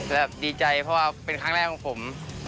และดีใจเพราะว่าเป็นครั้งแรกของผม